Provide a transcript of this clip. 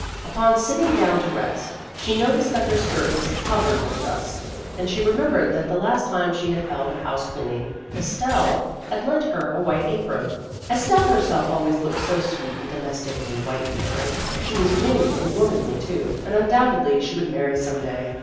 Upon sitting down to rest, she noticed that her skirt was covered with dust, and A Case of Incompatibility H5 she remembered that the last time she had held a house cleaning Estelle had lent her a white apron. Estelle herself always looked so sweet and domestic in a white apron ; she was winning and womanly, too, and undoubtedly she would marry some day.